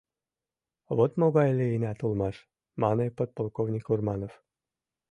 — Вот могай лийынат улмаш:! — мане подполковник Урманов.